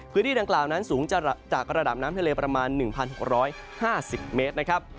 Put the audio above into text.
พื้นที่ดังกล่าวนั้นสูงจากระดับน้ำทะเลประมาณ๑๖๕๐เมตรนะครับ